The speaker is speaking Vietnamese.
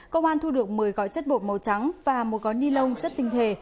công an thu được một mươi gói chất bột màu trắng và một gói ni lông chất tinh thể